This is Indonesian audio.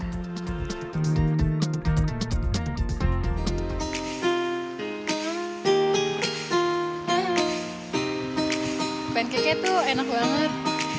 hai pankeke itu enak banget